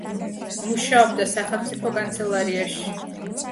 მუშაობდა სახელმწიფო კანცელარიაში.